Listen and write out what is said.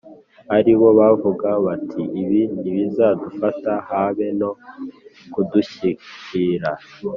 ari bo bavuga bati ‘Ibibi ntibizadufata, habe no kudushyikira.’